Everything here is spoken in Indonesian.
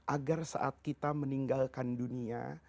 agar saat kita meninggalkan dunia